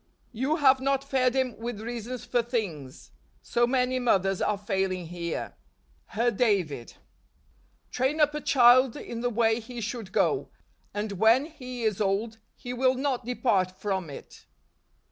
You have not fed him with reasons for things. So many mothers are failing here." Her David. " Train up a child in the way he should go: and when he is old , he will not depart from it.